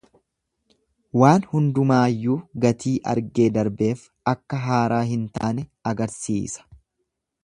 Waan hundumaayyuu gatii argee darbeef akka haaraa hin taane agarsiisa.